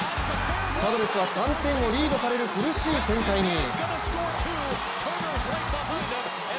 パドレスは３点をリードされる苦しい展開に。